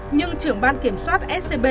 nhưng trưởng ban kiểm soát scb